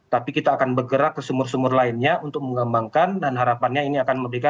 tapi kita akan bergerak ke sumur sumur lainnya untuk mengembangkan dan harapannya ini akan memberikan